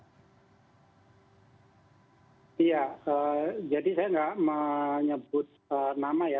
iya jadi saya nggak menyebut nama ya